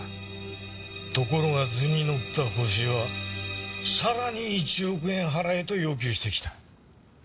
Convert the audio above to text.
ところが図に乗ったホシはさらに１億円払えと要求してきた。